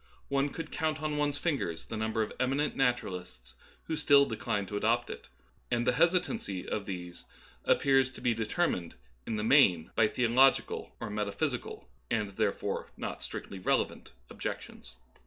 One could count on one's fingers the number of eminent naturalists who still decline to adopt it, and the hesitancy of these appears to be determined in the main by theological or metaphysical, and therefore not strictly relevant, objections.